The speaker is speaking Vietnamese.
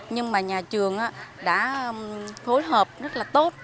nhưng mà nhà trường đã phối hợp rất là tốt